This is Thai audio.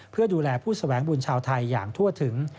เพื่อดูแลผู้แสวงบุญชาวไทยอย่างทั่วถึง